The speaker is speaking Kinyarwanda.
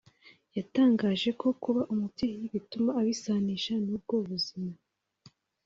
yatangaje ko kuba umubyeyi bituma abisanisha n’ubwo buzima